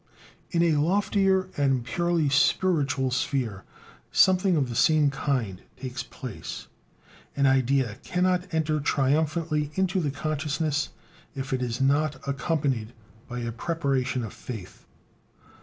In a loftier and purely spiritual sphere something of the same kind takes place: an idea cannot enter triumphantly into the consciousness, if it is not accompanied by a preparation of faith.